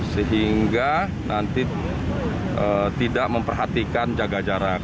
sehingga nanti tidak memperhatikan jaga jarak